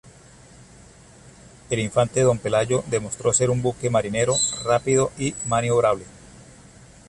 El "Infante don Pelayo", demostró ser un buque marinero, rápido y maniobrable.